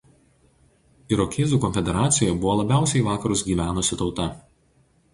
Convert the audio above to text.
Irokėzų konfederacijoje buvo labiausiai į vakarus gyvenusi tauta.